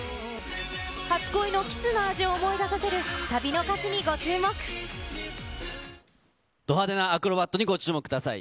初恋のキスの味を思い出させるサド派手なアクロバットにご注目ください。